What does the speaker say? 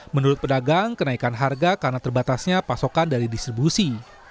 menurut pedagang kenaikan harga karena terbatasnya pasokan dari distribusi